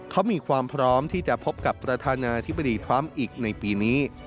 เขามีความพร้อมที่จะพบกับประธานาธิบดีทรัมป์อีกในปีนี้